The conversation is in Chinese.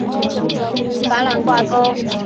非洲金融共同体法郎最初与法国法郎挂钩。